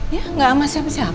ya gak sama siapa siapa kok